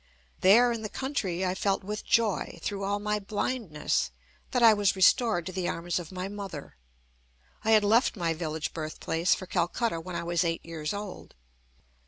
There in the country I felt with joy, through all my blindness, that I was restored to the arms of my mother. I had left my village birthplace for Calcutta when I was eight years old.